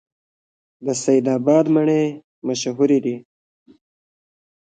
د سید اباد مڼې مشهورې دي